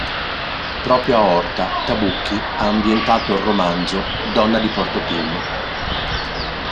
Proprio a Horta, Tabucchi ha ambientato il romanzo "Donna di Porto Pim".